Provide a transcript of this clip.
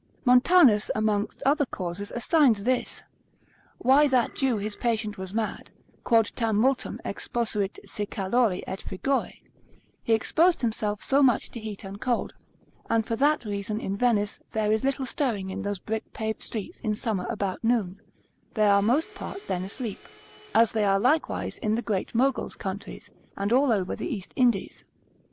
Montanus, consil. 21, amongst other causes assigns this; Why that Jew his patient was mad, Quod tam multum exposuit se calori et frigori: he exposed himself so much to heat and cold, and for that reason in Venice, there is little stirring in those brick paved streets in summer about noon, they are most part then asleep: as they are likewise in the great Mogol's countries, and all over the East Indies.